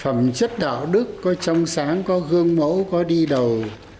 phẩm chất đạo đức có trong sáng có gương mẫu có đi đầu